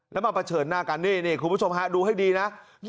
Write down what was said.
แล้วมาเผชิญหน้ากันนี่คุณผู้ชมฮะดูให้ดีนะ